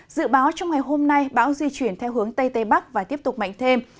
dự báo trong ngày hôm nay bão di chuyển theo hướng tây tây bắc và tiếp tục mạnh thêm